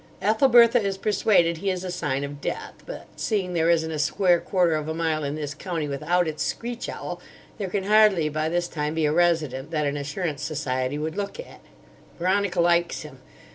Ethelbertha is persuaded he is a sign of death; but seeing there isn't a square quarter of a mile in this county without its screech owl, there can hardly by this time be a resident that an Assurance Society would look at. Veronica likes him.